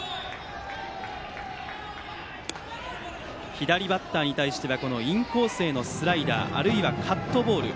左バッターに対してはインコースへのスライダーあるいはカットボール。